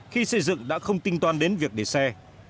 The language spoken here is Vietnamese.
khi xây dựng đã không tinh toàn đến việc để xe